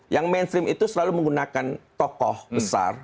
yang mainstream itu selalu menggunakan tokoh besar